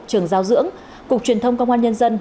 trường giáo dưỡng cục truyền thông công an nhân dân